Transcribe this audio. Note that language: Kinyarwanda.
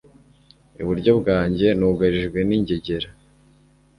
iburyo bwanjye nugarijwe n'ingegera